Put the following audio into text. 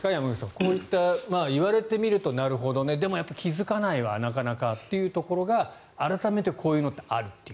こういった言われてみるとなるほどねでも気付かないわ、なかなかというところが改めてこういうのってあるという。